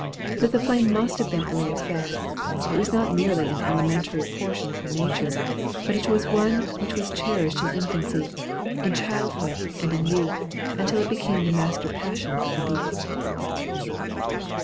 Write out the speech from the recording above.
But the flame must have been early fed; it was not merely an elementary portion of her nature, but it was one which was cherished in infancy, in childhood and in youth, until it became the master passion of her being.